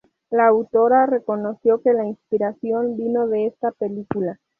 La autora reconoció que la inspiración vino de esta película.